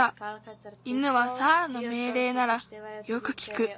犬はサーラのめいれいならよくきく。